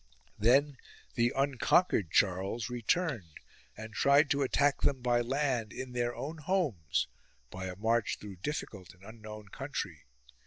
Then the unconquered Charles returned and tried to attack them by land in their own homes, by a march through difficult and unknown country.